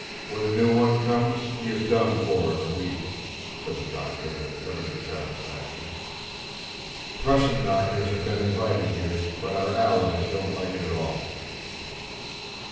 When a new one comes he is done for in a week," said the doctor with evident satisfaction. "Prussian doctors have been invited here, but our allies don't like it at all."